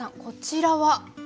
こちらは？